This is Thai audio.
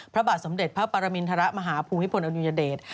พระบาทสมเด็จพระปรมินทรมาฮภูมิพลอดุญเดช